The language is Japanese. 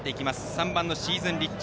３番のシーズンリッチ。